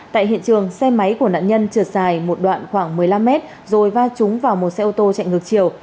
tại hiện trường xe máy của nạn nhân trượt dài một đoạn khoảng một mươi năm mét rồi va trúng vào một xe ô tô chạy ngược chiều